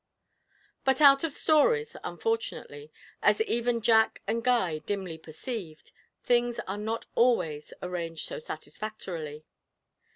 But out of stories, unfortunately, as even Jack and Guy dimly perceived, things are not always arranged so satisfactorily.